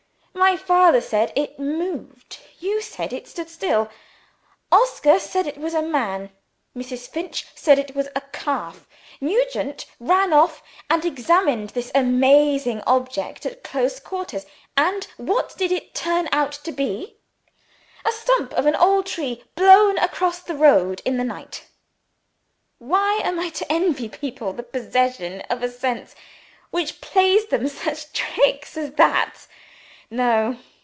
My father said it moved. You said it stood still. Oscar said it was a man. Mrs. Finch said it was a calf. Nugent ran off, and examined this amazing object at close quarters. And what did it turn out to be? A stump of an old tree blown across the road in the night! Why am I to envy people the possession of a sense which plays them such tricks as that? No!